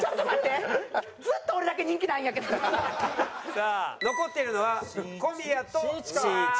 さあ残っているのは小宮としんいち。